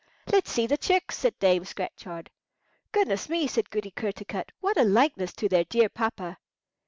"Let's see the chicks," said Dame Scratchard. "Goodness me," said Goody Kertarkut, "what a likeness to their dear papa!"